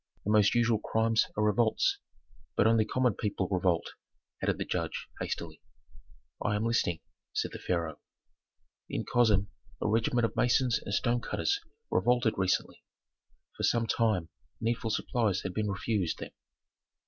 "The most usual crimes are revolts. But only common people revolt," added the judge, hastily. "I am listening," said the pharaoh. "In Kosem a regiment of masons and stone cutters revolted recently; for some time needful supplies had been refused them.